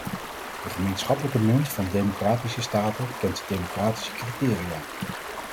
De gemeenschappelijke munt van democratische staten kent democratische criteria.